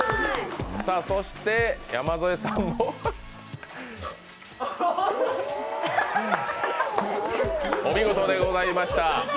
そして、山添さんもおみごとでございました。